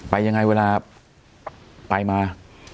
ไปยังไงเวลาไปมา